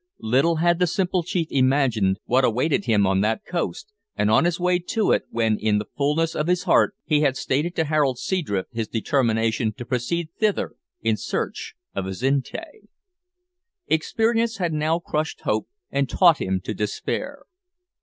Little had the simple chief imagined what awaited him on that coast, and on his way to it, when, in the fulness of his heart, he had stated to Harold Seadrift his determination to proceed thither in search of Azinte. Experience had now crushed hope, and taught him to despair.